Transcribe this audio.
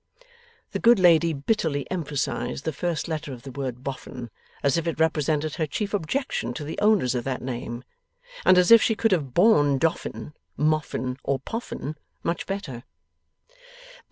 (The good lady bitterly emphasized the first letter of the word Boffin, as if it represented her chief objection to the owners of that name, and as if she could have born Doffin, Moffin, or Poffin much better.)